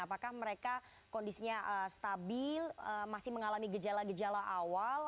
apakah mereka kondisinya stabil masih mengalami gejala gejala awal